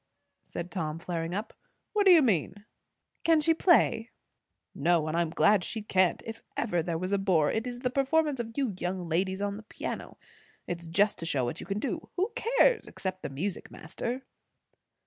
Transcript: _" said Tom, flaring up. "What do you mean?" "Can she play?" "No, and I am glad she can't. If ever there was a bore, it is the performances of you young ladies on the piano. It's just to show what you can do. Who cares, except the music master?"